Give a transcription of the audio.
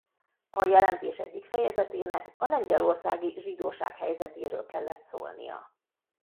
A jelentés egyik fejezetének a lengyelországi zsidóság helyzetéről kellett szólnia.